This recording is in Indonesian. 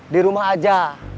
di rumah aja